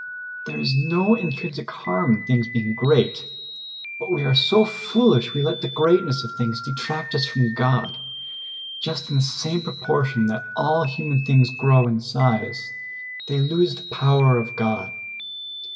There is no intrinsic harm in things being great, but we are so foolish we let the greatness of things detract us from God. Just in the same proportion that all human things grow in size, they lose the power of God.